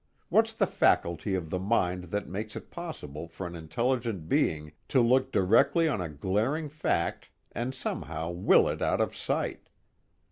What's the faculty of the mind that makes it possible for an intelligent being to look directly on a glaring fact and somehow will it out of sight?